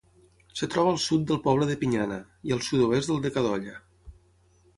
Es troba al sud del poble de Pinyana, i al sud-oest del de Cadolla.